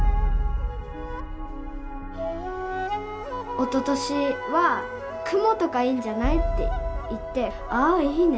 おととしは「蜘蛛とかいいんじゃない？」って言って「ああいいね」